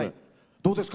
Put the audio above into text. どうですか？